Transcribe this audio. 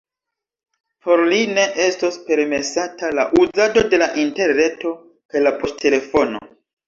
Por li ne estos permesata la uzado de la interreto kaj la poŝtelefono.